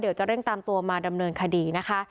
เดี๋ยวจะเร่งตามตัวมาดำเนินคดีนะคะ